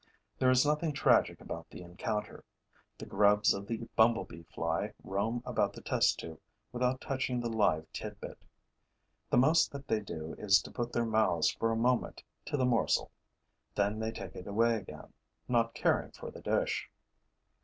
There is nothing tragic about the encounter. The grubs of the bumblebee fly roam about the test tube without touching the live tidbit. The most that they do is to put their mouths for a moment to the morsel; then they take it away again, not caring for the dish.